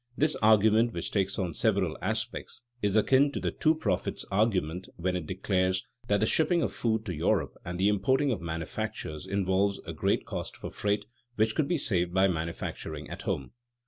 This argument, which takes on several aspects, is akin to the "two profits" argument when it declares that the shipping of food to Europe and the importing of manufactures involve a great cost for freight which could be saved by manufacturing "at home."